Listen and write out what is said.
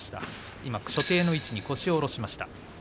今、所定の位置に腰を下ろしました。